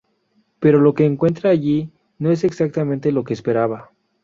Pero lo que encuentra allí no es exactamente lo que esperaba.